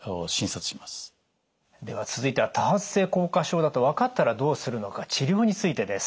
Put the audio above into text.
では続いては多発性硬化症だと分かったらどうするのか治療についてです。